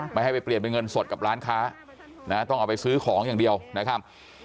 ไม่ให้ไปเปลี่ยนเป็นเงินสดกับร้านค้านะต้องเอาไปซื้อของอย่างเดียวนะครับ